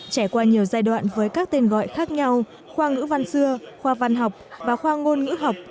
trải qua nhiều giai đoạn với các tên gọi khác nhau khoa ngữ văn xưa khoa văn học và khoa ngôn ngữ học